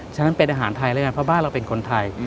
ฉะนั้นเป็นอาหารไทยแล้วกันเพราะบ้านเราเป็นคนไทย